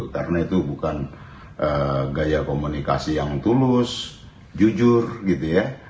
karena itu bukan gaya komunikasi yang tulus jujur gitu ya